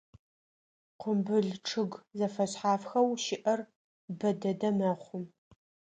Къумбыл чъыг зэфэшъхьафхэу щыӏэр бэ дэдэ мэхъу.